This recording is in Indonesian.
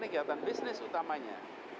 kegiatan bisnis utamanya